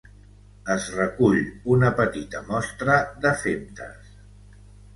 Es recull una petita mostra de femtes.